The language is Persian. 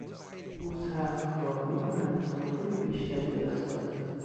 او سخت کار میکند تا پول بیشتری به دست آورد.